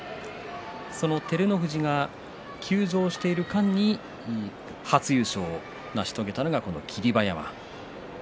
その照ノ富士が休場している間に初優勝を成し遂げたのがこの霧馬山。